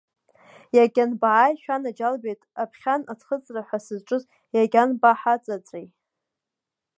Иагьанбааи, шәанаџьалбеит, аԥхьан аӡхыҵра ҳәа сызҿыз, иагьанбаҳаҵаҵәеи!